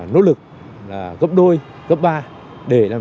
nỗ lực gấp đôi gấp ba để làm